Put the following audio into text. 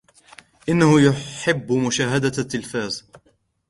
إنه يحب مشاهدة التلفاز.